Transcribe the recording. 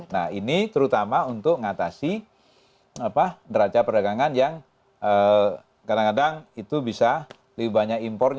nah ini terutama untuk mengatasi neraca perdagangan yang kadang kadang itu bisa lebih banyak impor